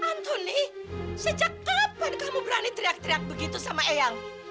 hantu nih sejak kapan kamu berani teriak teriak begitu sama eyang